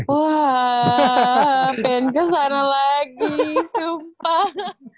wah akan kesana lagi sumpah